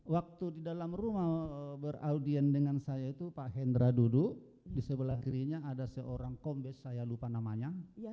waktu di dalam rumah beraudien dengan saya itu pak hendra duduk di sebelah kirinya ada seorang kombes saya lupa namanya